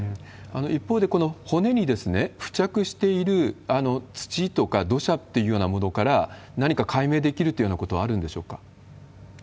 一方で、この骨に付着している土とか土砂っていうようなものから何か解明できるというようなことはあるんでしょうか？